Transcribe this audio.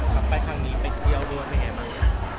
ครับไปครั้งนี้ไปเที่ยวด้วยเป็นไงบ้าง